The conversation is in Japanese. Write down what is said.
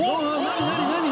何？